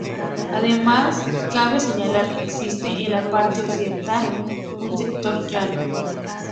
Además cabe señalar que existe en la parte occidental un sector llano.